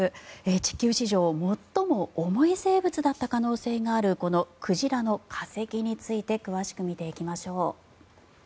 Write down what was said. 地球史上最も重い生物だった可能性があるこの鯨の化石について詳しく見ていきましょう。